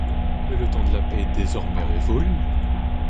Mais le temps de la paix est désormais révolu.